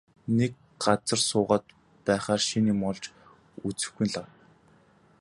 Нэг газар суугаад байхаар шинэ юм олж үзэхгүй нь лав.